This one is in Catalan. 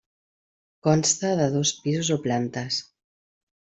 Consta de dos pisos o plantes.